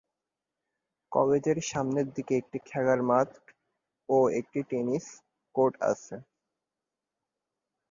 কলেজের সামনের দিকে একটি খেলার মাঠ ও একটি টেনিস কোর্ট আছে।